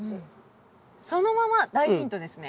「そのまま」大ヒントですね。